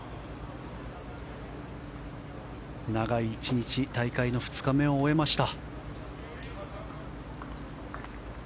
長い１日大会の２日目を終えました。